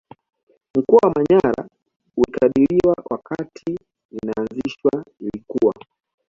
Mkoa wa manyara ulikadiriwa wakati inaazishwa ilikuwa